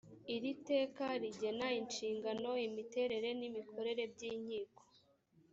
iri teka rigena inshingano imiterere n’imikorere by’inkiko